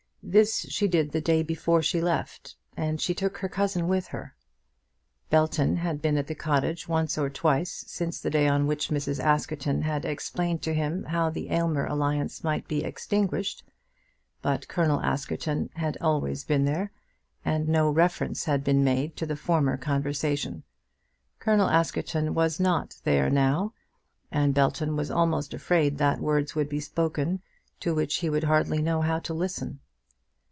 This she did the day before she left, and she took her cousin with her. Belton had been at the cottage once or twice since the day on which Mrs. Askerton had explained to him how the Aylmer alliance might be extinguished, but Colonel Askerton had always been there, and no reference had been made to the former conversation. Colonel Askerton was not there now, and Belton was almost afraid that words would be spoken to which he would hardly know how to listen.